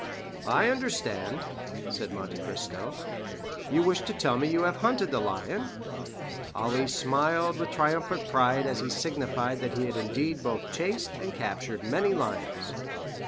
"I understand," said Monte Cristo; "you wish to tell me you have hunted the lion?" Ali smiled with triumphant pride as he signified that he had indeed both chased and captured many lions.